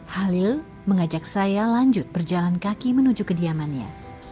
halil mengajak saya lanjut berjalan kaki menuju kediamannya